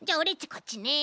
こっちね。